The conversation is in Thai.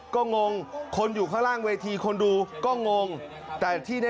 แต่นี่เมาแล้วขึ้นเวทีครับเป็นสุภาพสตรีด้วย